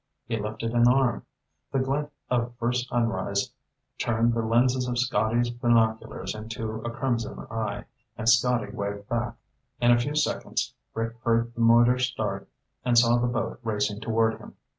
He lifted an arm. The glint of first sunrise turned the lenses of Scotty's binoculars into a crimson eye, and Scotty waved back. In a few seconds Rick heard the motor start and saw the boat racing toward him.